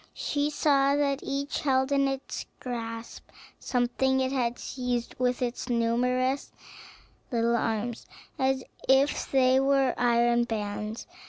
She saw that each held in its grasp something it had seized with its numerous little arms, as if they were iron bands.